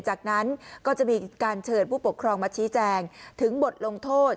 จากนั้นก็จะมีการเชิญผู้ปกครองมาชี้แจงถึงบทลงโทษ